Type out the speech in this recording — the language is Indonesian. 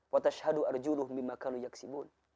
watashadu arjuluh mimakalu yaksimun